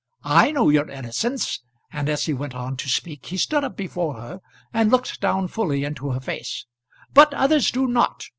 I know your innocence," and as he went on to speak, he stood up before her and looked down fully into her face, "but others do not.